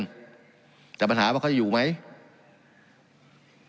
การปรับปรุงทางพื้นฐานสนามบิน